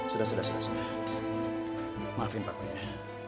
sudah sudah sudah maafin pakku ya